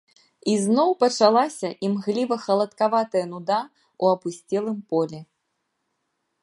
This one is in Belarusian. Ізноў пачалася імгліва-халадкаватая нуда ў апусцелым полі.